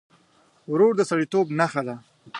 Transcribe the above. ورور د سړيتوب نښه ده.